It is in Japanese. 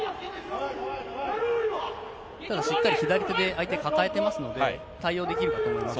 ただ、しっかり左手で相手抱えていますので対応できると思います。